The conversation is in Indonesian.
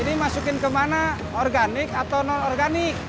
ini masukin kemana organik atau non organik